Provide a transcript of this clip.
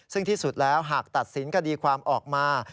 ซึ่งที่สุดแล้วหากตัดสินคดีความออกมา